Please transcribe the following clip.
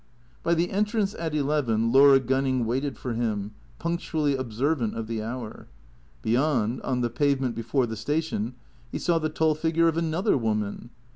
By the entrance, at eleven, Laura Gunning waited for him, punctually observant of the hour. Beyond, on the pavement before the station, he saw the tall figure of another woman.